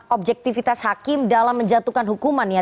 objektivitas hakim dalam menjatuhkan hukuman ya